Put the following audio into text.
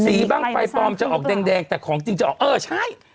สีบ้างไฟฟองจะออกแดงแต่อย่างคนจริงจะออกแน่